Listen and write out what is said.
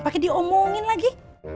pakai diomongin lagi